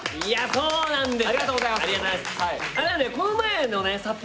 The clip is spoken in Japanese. そうなんですよ